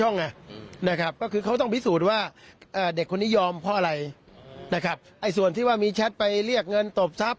นะครับส่วนที่ว่ามีแชทไปเรียกเงินตบทรัพย์